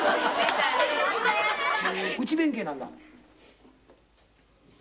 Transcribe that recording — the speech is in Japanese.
「内弁慶なんだ」